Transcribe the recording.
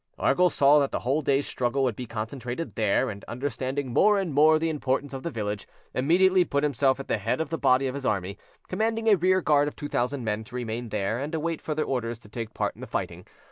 Argyll saw that the whole day's struggle would be concentrated there, and, understanding more and more the importance of the village, immediately put himself at the head of the body of his army, commanding a rearguard of two thousand men to remain there and await further orders to take part in the fighting.